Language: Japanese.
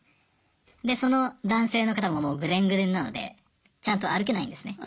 でその男性の方ももうぐでんぐでんなのでちゃんと歩けないんですね。